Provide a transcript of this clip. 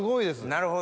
なるほど。